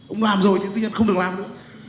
ông làm rồi nhưng tư nhân không được làm nữa